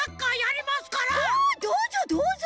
あどうぞどうぞ。